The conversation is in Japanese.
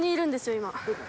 今。